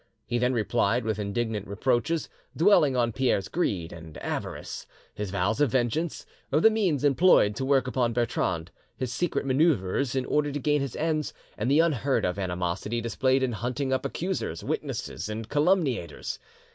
He then replied with indignant reproaches, dwelling on Pierre's greed and avarice, his vows of vengeance, the means employed to work upon Bertrande, his secret manoeuvres in order to gain his ends, and the unheard of animosity displayed in hunting up accusers, witnesses, and calumniators.